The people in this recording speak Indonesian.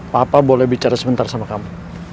papa boleh bicara sebentar sama kamu